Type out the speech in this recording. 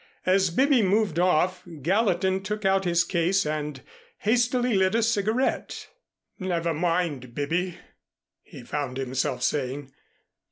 As Bibby moved off Gallatin took out his case and hastily lit a cigarette. "Never mind, Bibby," he found himself saying.